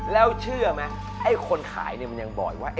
แล้วเชื่อไหมคนขายมันยังบอกว่า